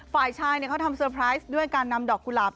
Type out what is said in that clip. ฝ่ายชายเขาทำเซอร์ไพรส์ด้วยการนำดอกกุหลาบ